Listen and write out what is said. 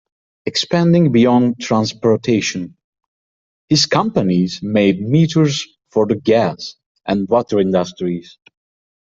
Expanding beyond transportation, his companies made meters for the gas and water industries.